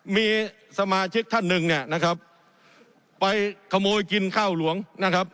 มีสมาชิกท่านหนึ่งเนี่ยนะครับไปขโมยกินข้าวหลวงนะครับ